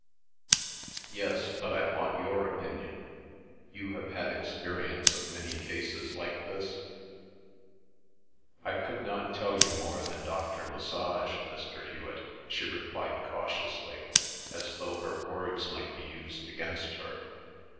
"Yes, but I want your opinion. You have had experience of many cases like this?" "I could not tell you more than Dr. Lesage, Mr. Hewet," she replied cautiously, as though her words might be used against her.